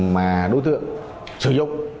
mà đối tượng sử dụng